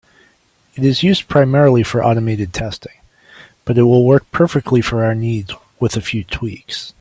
It is used primarily for automated testing, but it will work perfectly for our needs, with a few tweaks.